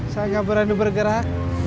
saya gak berani bergerak